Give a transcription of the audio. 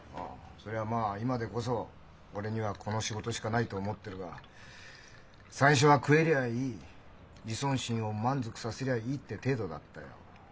そりゃまあ今でこそ俺にはこの仕事しかないと思ってるが最初は食えりゃいい自尊心を満足させりゃいいって程度だったよ。